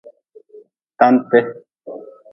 Tante.